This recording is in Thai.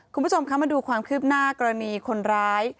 คุณผู้ชมคะมาดูความคืบหน้ากรณีคนร้าย